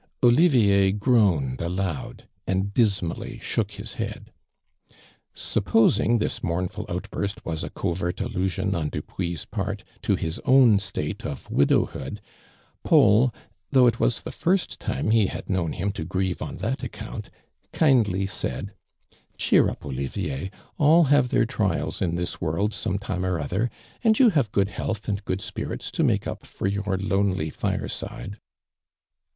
Olivitiv groaned aloud and dismally shook his heatl. Skipposing this mournful outburst was a covert allusion on Dupuis' part, to his own state of widowhood, Paul, though it was the first time lie liad known him to grieve on that account, kindly said :'• Cheer up, Olivier, all have their trials in this workl sometime or othei , and you have good health and good spirits to make up for your lonely fireside."